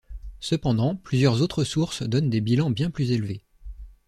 Cependant plusieurs autres sources donnent des bilans bien plus élevés.